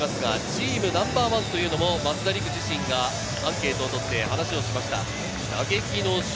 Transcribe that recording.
チームナンバーワンというのも増田陸自身がアンケートを取って話をしました。